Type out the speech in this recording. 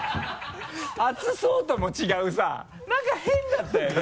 熱そうとも違うさ何か変だったよね？